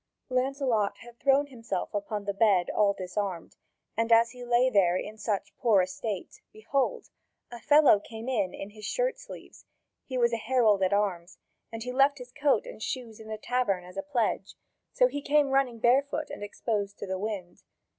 Lancelot had thrown himself upon the bed all disarmed, and as he lay there in such poor estate, behold! a fellow came in in his shirt sleeves; he was a herald at arms, and had left his coat and shoes in the tavern as a pledge; so he came running barefoot and exposed to the wind.